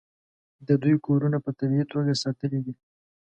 د دوی کورونه په طبیعي توګه ساتلي دي.